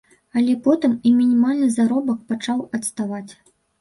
Але потым і мінімальны заробак пачаў адставаць.